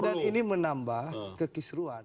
dan ini menambah kekisruan